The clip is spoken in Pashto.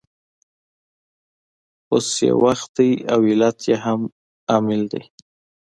اوس یې وخت دی او علت یې هم عاجل دی